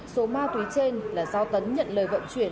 số ma túy trên là do tấn nhận lời vận chuyển